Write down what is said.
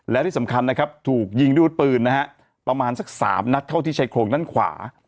และที่สำคัญถูกยิงดูดปืนประมาณสัก๓นัดเข้าที่ชายโครงด้านขวา